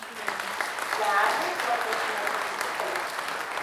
Tla amo manechmatekilikan.